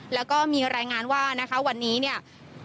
แล้วก็มีรายงานว่านะคะวันนี้เนี่ย